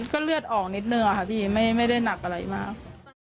ก็เลือดออกนิดนึงค่ะพี่ไม่ได้หนักอะไรมาก